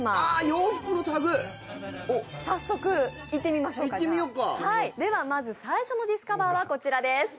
洋服のタグおっ早速いってみましょうかいってみよっかではまず最初のディスカバーはこちらです